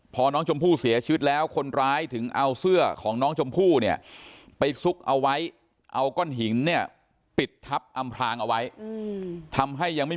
พอน้องชมพู่เสียชีวิตแล้วคนร้ายถึงเอาเสื้อของน้องชมพู่เนี้ย